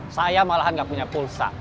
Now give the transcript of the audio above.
saya malahan gak punya pulsa